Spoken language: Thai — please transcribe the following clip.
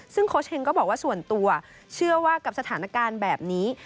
ซึ่งโค้ชเฮงก็บอกว่าส่วนตัวเชื่อว่ากับสถานการณ์แบบนี้